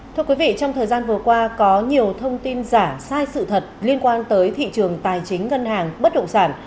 thưa quý vị trong thời gian vừa qua có nhiều thông tin giả sai sự thật liên quan tới thị trường tài chính ngân hàng bất động sản